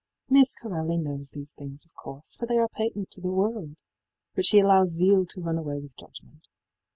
í Miss Corelli knows these things, of course, for they are patent to the world; but she allows zeal to run away with judgment.